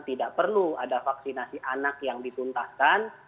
tidak perlu ada vaksinasi anak yang dituntaskan